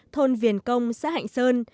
thôn viền công xã hạnh sơn